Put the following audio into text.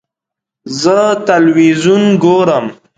زه تلویزیون ګورم.